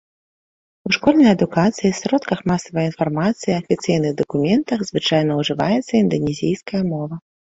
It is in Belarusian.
У школьнай адукацыі, сродках масавай інфармацыі, афіцыйных дакументах звычайна ўжываецца інданезійская мова.